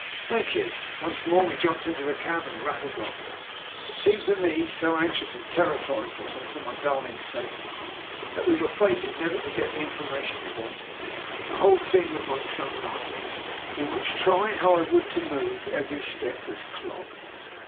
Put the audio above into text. "Thank you." Once more we jumped into the cab and rattled off. It seemed to me, so anxious and terrified was I for my darling's safety, that we were fated never to get the information we wanted; the whole thing was like some nightmare, in which, try how I would to move, every step was clogged.